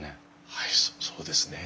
はいそうですね。